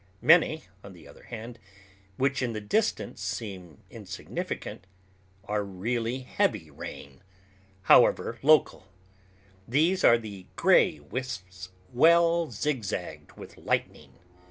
Many, on the other hand, which in the distance seem insignificant, are really heavy rain, however local; these are the gray wisps well zigzagged with lightning.